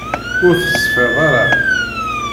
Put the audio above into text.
Ur tesfiḍ ara.